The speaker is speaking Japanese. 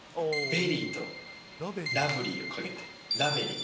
ベリーとラブリーをかけて、ラベリー。